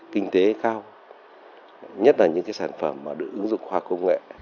kinh tế cao nhất là những sản phẩm được ứng dụng khoa học công nghệ